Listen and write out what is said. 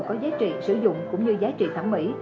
có giá trị sử dụng cũng như giá trị thẩm mỹ